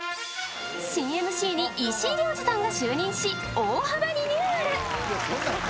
新ＭＣに石井亮次さんが就任し、大幅にリニューアル。